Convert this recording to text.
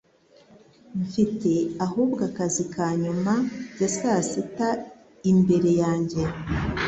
Mfite ahubwo akazi ka nyuma ya saa sita imbere yanjye.